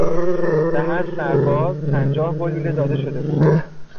به هر سر باز پنجاه گلوله داده شده بود